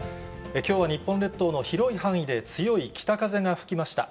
きょうは日本列島の広い範囲で強い北風が吹きました。